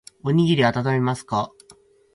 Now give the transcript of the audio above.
おにぎりあたためますか。